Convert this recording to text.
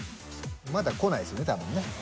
まだこないですね多分ね。